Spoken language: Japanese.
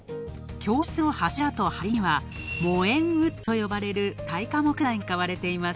教室の柱と梁には、燃エンウッドと呼ばれる耐火木材が使われています。